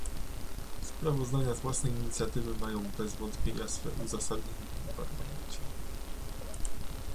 Sprawozdania z własnej inicjatywy mają bez wątpienia swe uzasadnienie w tym Parlamencie